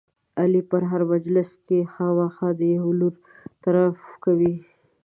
علي په هره مجلس کې خامخا د یوه لوري طرف کوي.